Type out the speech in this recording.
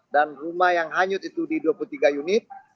dan rumah yang hanyut itu di dua puluh tiga unit